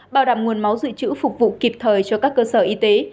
bảo đảm nguồn máu dự trữ phục vụ kịp thời cho các cơ sở y tế